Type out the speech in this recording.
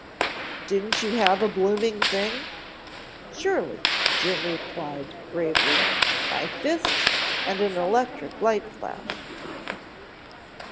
"Didn't you have a blooming thing?" "Surely," Jim replied gravely. "My fists and an electric light flash."